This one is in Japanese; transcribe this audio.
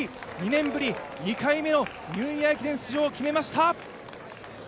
２年ぶり２回目のニューイヤー駅伝出場を決めました。